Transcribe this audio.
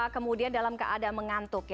kemudian dalam keadaan mengantuk